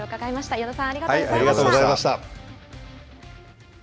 与田さん、ありがとうございました。